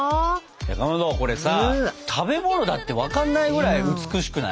かまどこれさ食べ物だって分かんないぐらい美しくない？